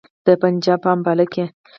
د پنجاب په امباله کې.